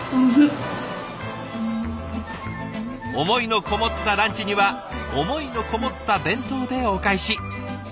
思いのこもったランチには思いのこもった弁当でお返し。